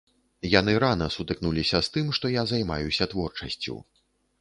Яны рана сутыкнуліся з тым, што я займаюся творчасцю.